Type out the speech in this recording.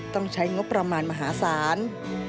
ต้องใช้งบประมาณมหาศาล